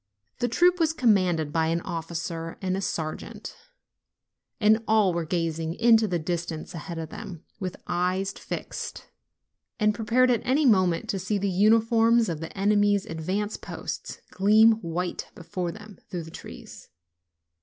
The troop was commanded by an officer and a sergeant, and all were gazing into the distance ahead of them, with eyes fixed, silent, and prepared at any moment to see the uniforms of the enemy's advance posts gleam white before them through the trees.